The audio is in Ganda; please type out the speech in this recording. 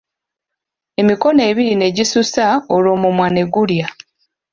Emikono ebiri ne gisusa olwo omumwa ne gulya.